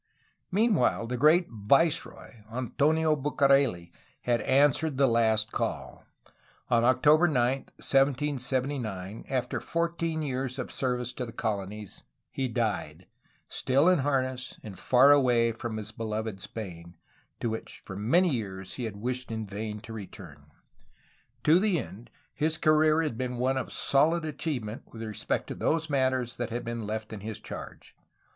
Meanwhile, the great viceroy, Antonio Bucareli, had answered the last call. On April 9, 1779, after fourteen years of service in the colonies, he died, still in harness and far away from his beloved Spain, to which for many years he had wished in vain to return. To the end, his career had been one of solid achievement with respect to those matters that had been left in his charge.